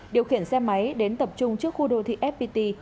điều khiển xe máy đến tập trung trước khu đô thị fpt